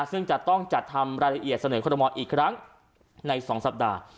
ซึ่งจะต้องการจัดรายละเอียดเสนออนุมัติอีกครั้งใน๒สัปดาห์